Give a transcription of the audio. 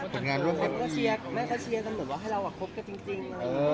แม่เค้าเชียร์สำหรับให้เรากับคุณจริง